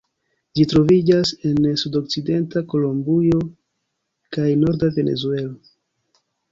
Ĝi troviĝas en nordokcidenta Kolombio kaj norda Venezuelo.